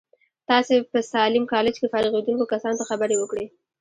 تاسې په ساليم کالج کې فارغېدونکو کسانو ته خبرې وکړې.